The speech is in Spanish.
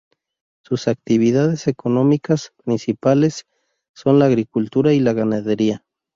Sus actividades económicas principales son la agricultura y a la ganadería.